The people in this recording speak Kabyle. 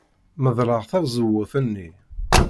Medleɣ tazewwut-nni.